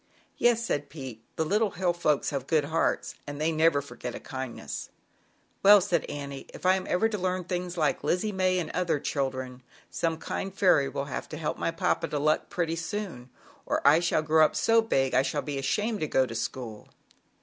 "Yes," said Pete, "the Little Hill Folks have good hearts, and they never forget a kindness." . "Well, "'said Annie, "if ever I am to learn things like Lizzie May and other children, some kind Fairy will have t help my papa to luck pretty soon or I shall grow so big I shall be ashamed to go to school."